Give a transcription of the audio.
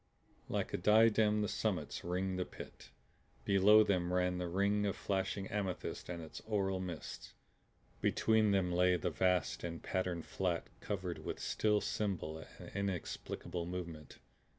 Like a diadem the summits ringed the Pit. Below them ran the ring of flashing amethyst with its aural mists. Between them lay the vast and patterned flat covered with still symbol and inexplicable movement.